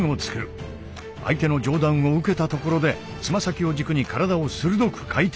相手の上段を受けたところでつま先を軸に体を鋭く回転。